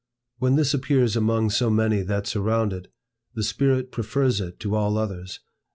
When this appears among so many that surround it, the spirit prefers it to all others.